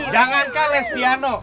jangankah les piano